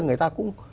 người ta cũng